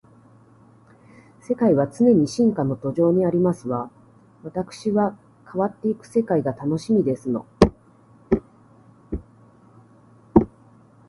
世界は常に進化の途上にありますわ。わたくしは変わっていく世界が楽しみですの